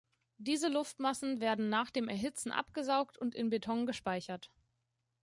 Diese Luftmassen werden nach dem Erhitzen abgesaugt und in Beton gespeichert.